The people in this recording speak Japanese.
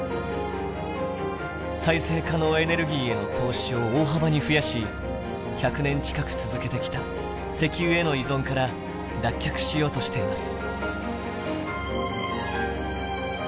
再生可能エネルギーへの投資を大幅に増やし１００年近く続けてきた「石油への依存」から脱却しようとしています。